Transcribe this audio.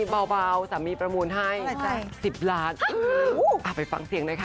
เบาสามีประมูลให้สิบล้านเออไปฟังเสียงด้วยค่ะ